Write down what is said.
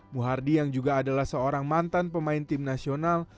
muhardi yang juga adalah seorang mantan pemain tim nasional